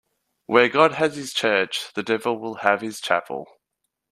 Where God has his church, the devil will have his chapel.